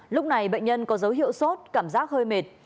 lúc này bệnh nhân có dấu hiệu sốt cảm giác hơi mệt